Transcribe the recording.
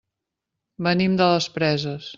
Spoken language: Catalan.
Venim de les Preses.